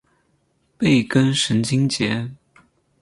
背根神经节。